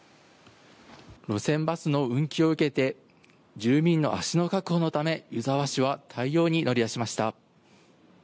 路線バスの運休を受けて住民の足の確保のため、湯沢市は対応に乗り出しました。